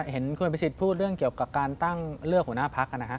เห็นคุณประสิทธิ์พูดเรื่องเกี่ยวกับการตั้งเลือกหัวหน้าพักนะฮะ